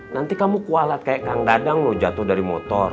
nanti kamu kualat kayak kang dadang jatuh dari motor